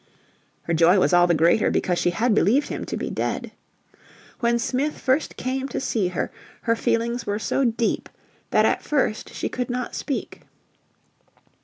Her joy was all the greater because she had believed him to be dead. When Smith first came to see her her feelings were so deep that at first she could not speak.